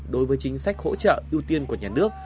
đối với chính sách hỗ trợ ưu tiên của nhà nước